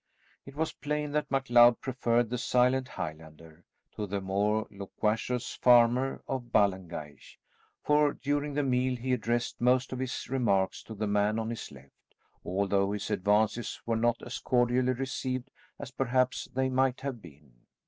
It was plain that MacLeod preferred the silent Highlander to the more loquacious farmer of Ballengeich, for during the meal he addressed most of his remarks to the man on his left, although his advances were not as cordially received as perhaps they might have been.